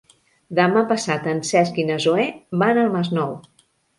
Demà passat en Cesc i na Zoè van al Masnou.